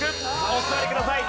お座りください。